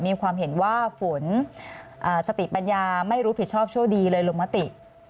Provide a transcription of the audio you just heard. มีความเห็นว่าฝนสติปัญญาไม่รู้ผิดชอบโชคดีเลยลงมติ